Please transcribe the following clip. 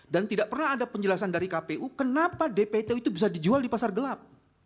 dan tidak pernah ada penjelasan dari kpu kenapa dpt itu bisa dijual di pasar gelap